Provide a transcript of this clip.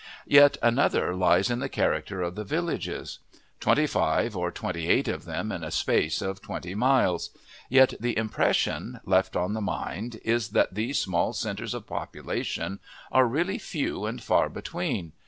Yet another lies in the character of the villages. Twenty five or twenty eight of them in a space of twenty miles; yet the impression, left on the mind is that these small centres of population are really few and far between.